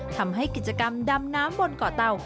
ทำให้กิจกรรมดำน้ำบนเกาะเตา